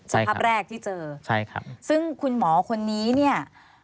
สภาพแรกที่เจอใช่ครับซึ่งคุณหมอคนนี้เนี่ย